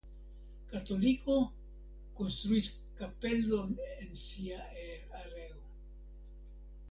Katoliko konstruis kapelon en sia areo.